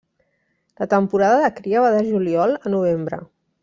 La temporada de cria va de Juliol a Novembre.